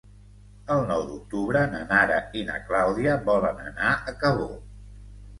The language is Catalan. El nou d'octubre na Nara i na Clàudia volen anar a Cabó.